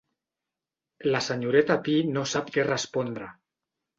La senyoreta Pi no sap què respondre.